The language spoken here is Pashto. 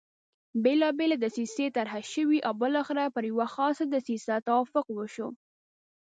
بېلابېلې دسیسې طرح شوې او بالاخره پر یوه خاصه دسیسه توافق وشو.